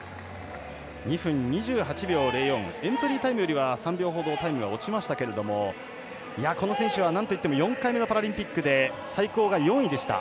２分２８秒０４エントリータイムよりもタイムが落ちましたけれどもこの選手は４回目のパラリンピックで最高が４位でした。